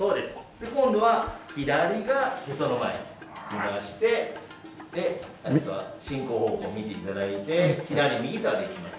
で今度は左がへその前来ましてで進行方向を見て頂いて左右と歩きます。